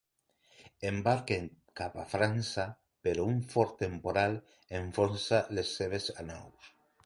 Embarquen cap a França, però un fort temporal enfonsa les seves naus.